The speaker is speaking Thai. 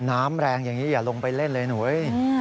น้ำแรงอย่างนี้อย่าลงไปเล่นเลยหนูเอ้ย